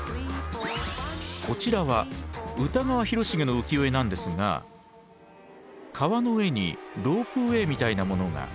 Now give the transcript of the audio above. こちらは歌川広重の浮世絵なんですが川の上にロープウエーみたいなものが。